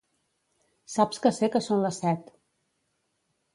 Saps que sé que són les set.